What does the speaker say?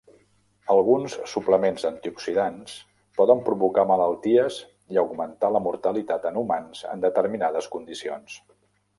Alguns suplements antioxidants poden provocar malalties i augmentar la mortalitat en humans en determinades condicions.